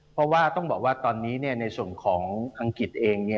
เพราะว่าต้องบอกว่าตอนนี้ในส่วนของอังกฤษเอง